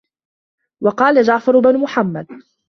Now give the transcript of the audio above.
وَقَالَ جَعْفَرُ بْنُ مُحَمَّدٍ